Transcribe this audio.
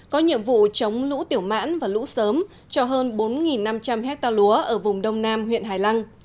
có nhiệm vụ chống lũ tiểu mãn và lũ sớm cho hơn bốn năm trăm linh hectare lúa ở vùng đông nam huyện hải lăng